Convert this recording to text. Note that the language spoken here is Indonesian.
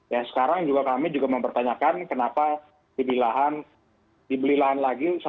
ya sekarang kami juga mempertanyakan kenapa dibeli lahan lagi satu lima